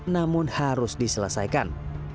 namun harus diselesaikan